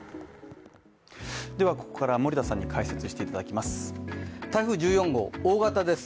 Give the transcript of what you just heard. ここからは森田さんに解説していただきます。